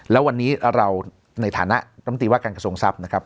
แล้ววันนี้เราในฐานะรำตีว่าการกระทรวงทรัพย์นะครับ